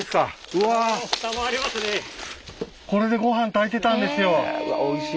うわこれでごはん炊いてたんですよ。